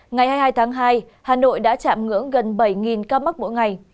ngày hai mươi hai tháng hai hà nội đã chạm ngưỡng gần bảy ca mắc mỗi ngày